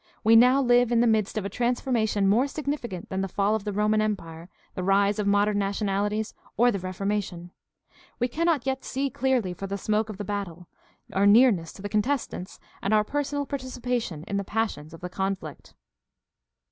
We now live in the midst of a transformation more significant than the fall of the Roman Empire, the rise of modern nation alities, or the Reformation. We cannot yet see clearly for the smoke of battle, our nearness to the contestants, and our personal participation in the passions of the conflict.